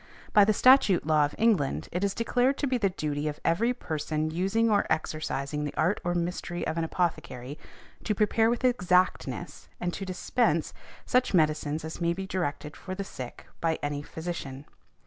By the statute law of England it is declared to be the duty of every person using or exercising the art or mystery of an apothecary to prepare with exactness, and to dispense, such medicines as may be directed for the sick by any physician .